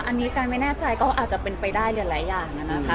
อันนี้กายไม่แน่ใจก็อาจจะเป็นไปได้หลายอย่างนะคะ